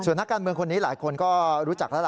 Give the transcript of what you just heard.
นักการเมืองคนนี้หลายคนก็รู้จักแล้วล่ะ